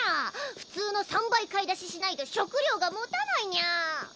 普通の３倍買い出ししないと食料がもたないニャ。